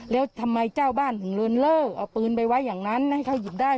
แล้วทำไมเจ้าบ้านถึงเลินเลิกเอาปืนไปไว้อย่างนั้นให้เขาหยิบได้